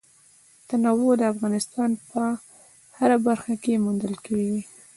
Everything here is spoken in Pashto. تنوع د افغانستان په هره برخه کې موندل کېږي.